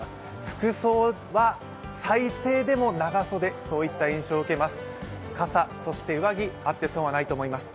服装は最低でも長袖、そういった印象を受けます。